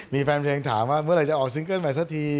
มีแฟนเพลงถามว่าเมื่อไหร่จะออกซิงเกิ้ลใหม่สักที